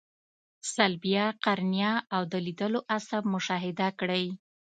صلبیه، قرنیه او د لیدلو عصب مشاهده کړئ.